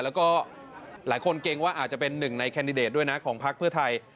แล้วก็หลายคนเกรงว่าอาจจะเป็นหนึ่งในแคนดิเดตด้วยนะของพักเพื่อไทย